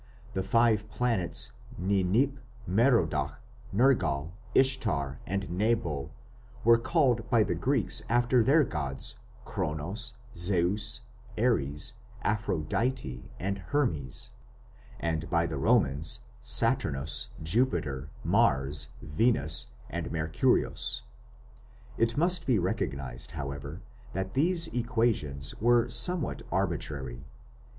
The five planets Ninip, Merodach, Nergal, Ishtar, and Nebo were called by the Greeks after their gods Kronos, Zeus, Ares, Aphrodite, and Hermes, and by the Romans Saturnus, Jupiter, Mars, Venus, and Mercurius. It must be recognized, however, that these equations were somewhat arbitrary.